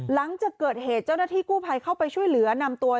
หลังจากเกิดเหตุเจ้าหน้าที่กู้ภัยเข้าไปช่วยเหลือนำตัว